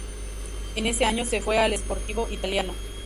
En ese año se fue al Sportivo Italiano.